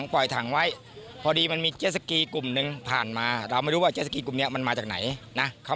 ก็ยังมีใครชื่อหัวของเขา